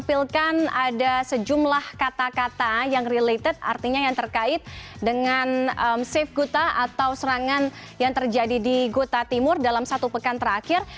tampilkan ada sejumlah kata kata yang related artinya yang terkait dengan safe gota atau serangan yang terjadi di gota timur dalam satu pekan terakhir